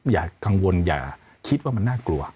อย่ากังวลอย่าคิดว่ามันน่ากลัว